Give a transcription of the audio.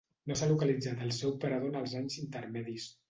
No s'ha localitzat el seu parador en els anys intermedis.